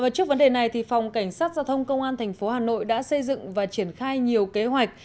trước vấn đề này phòng cảnh sát giao thông công an tp hà nội đã xây dựng và triển khai nhiều kế hoạch